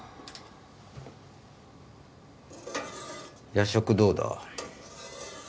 夜食どうだ？